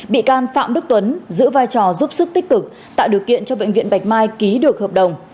bị can phạm đức tuấn giữ vai trò giúp sức tích cực tạo điều kiện cho bệnh viện bạch mai ký được hợp đồng